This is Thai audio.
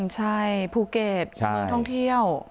ใช่ภูเกตกับเมืองท่องเที่ยวใช่ค่ะ